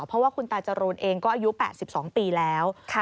เพราะว่าคุณตาจรูนเองก็อายุ๘๒ปีแล้ว